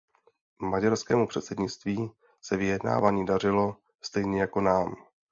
Maďarskému předsednictví se vyjednávání dařilo, stejně jako nám.